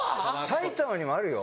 埼玉にもあるよ